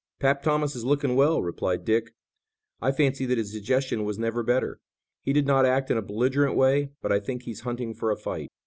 "'Pap' Thomas is looking well," replied Dick. "I fancy that his digestion was never better. He did not act in a belligerent way, but I think he's hunting for a fight."